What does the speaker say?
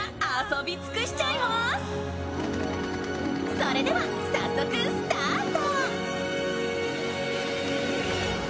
それでは早速スタート！